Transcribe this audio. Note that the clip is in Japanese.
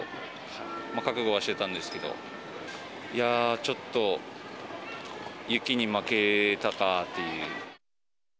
覚悟はしてたんですけど、いやー、ちょっと雪に負けたかという。